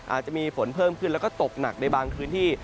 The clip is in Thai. อาจจะมีฝนเพิ่มขึ้นแล้วก็ตกหนักในบางพื้นที่